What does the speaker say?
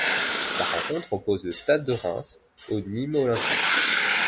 La rencontre oppose le Stade de Reims au Nîmes Olympique.